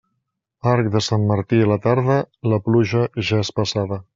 Arc de Sant Martí a la tarda, la pluja ja és passada.